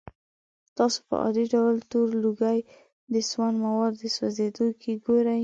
تاسې په عادي ډول تور لوګی د سون موادو د سوځولو کې ګورئ.